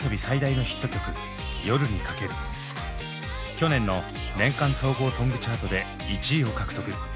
去年の年間総合ソングチャートで１位を獲得。